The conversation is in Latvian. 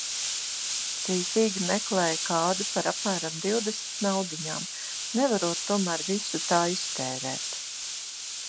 Cītīgi meklēja kādu par apmēram divdesmit naudiņām, nevarot tomēr visu tā iztērēt.